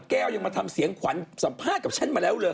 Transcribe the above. แก้วยังมาทำเสียงขวัญสัมภาษณ์กับฉันมาแล้วเลย